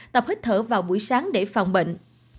tập hít thở vào buổi sáng để phòng bệnh